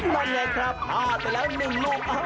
นั่นไงครับ๕แต่แล้ว๑ลูก